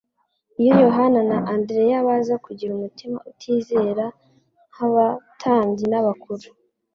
Iyo Yohana na Andreya baza kugira umutima utizera nk'abatambyi n'abakuru,